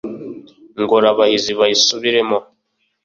ingorabahizi bayisubiremo